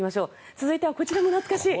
続いてはこちらも懐かしい。